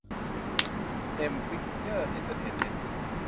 เอ็ม พิคเจอร์ส เอ็นเตอร์เทนเม้นท์